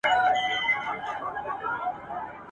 ژوند له دې انګار سره پیوند لري ..